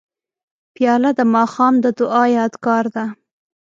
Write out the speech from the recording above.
پیاله د ماښام د دعا یادګار ده.